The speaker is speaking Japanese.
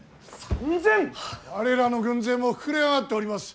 我らの軍勢も膨れ上がっております。